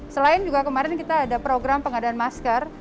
selain juga kemarin kita ada program pengadaan masker